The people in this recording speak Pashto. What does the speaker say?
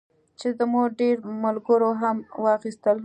چې زموږ ډېرو ملګرو هم واخیستل.